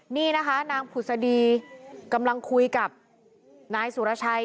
นี่นะคะนางผุศดีกำลังคุยกับนายสุรชัย